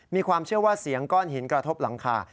มีความเชื่อว่าเสียงก้อนหินกระทบหลังคา